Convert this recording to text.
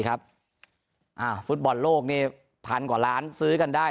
ฟุตบอลโลกนี่พันกว่าล้านซื้อกันได้